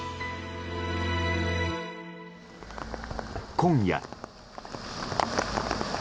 今夜。